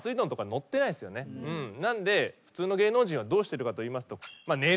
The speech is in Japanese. なので普通の芸能人はどうしてるかといいますと。